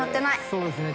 そうですね。